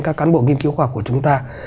các cán bộ nghiên cứu khoa của chúng ta